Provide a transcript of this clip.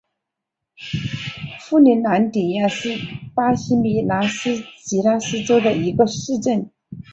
富尼兰迪亚是巴西米纳斯吉拉斯州的一个市镇。